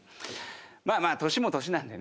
まあまあ年も年なんでね